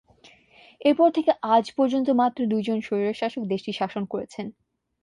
এরপর থেকে আজ পর্যন্ত মাত্র দুইজন স্বৈরশাসক দেশটি শাসন করেছেন।